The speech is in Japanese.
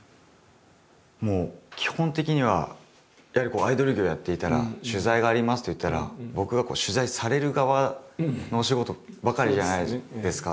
もう基本的にはやはりアイドル業をやっていたら取材がありますといったら僕がこう取材される側のお仕事ばかりじゃないですか。